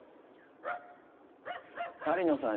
狩野さん